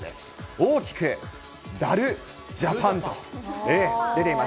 大きくダルジャパンと出ています。